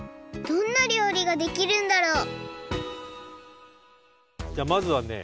どんな料理ができるんだろう？